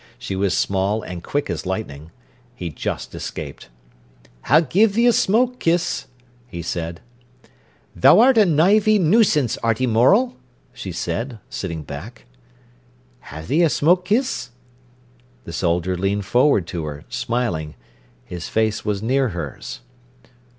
She was small and quick as lightning. He just escaped. "I'll gi'e thee a smoke kiss," he said. "Tha'rt a knivey nuisance, Arty Morel," she said, sitting back. "Ha'e a smoke kiss?" The soldier leaned forward to her, smiling. His face was near hers.